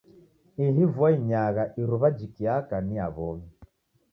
Ihi vua inyagha iruwa jikiaka ni ya w'omi.